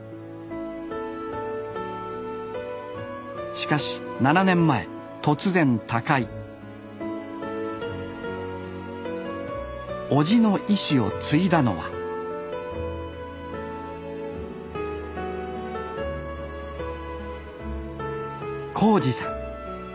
しかし７年前突然他界叔父の遺志を継いだのは孝次さん。